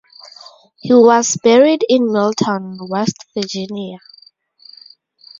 He was buried in Milton, West Virginia.